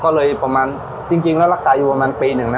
ก็เลยประมาณจริงแล้วรักษาอยู่ประมาณปีหนึ่งนะ